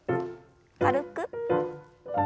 軽く。